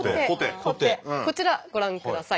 こちらご覧ください。